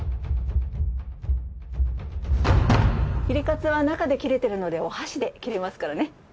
ひれかつは中で切れてるのでお箸で切れますからね。